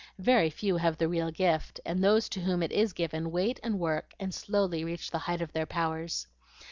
Very few have the real gift, and those to whom it IS given wait and work and slowly reach the height of their powers.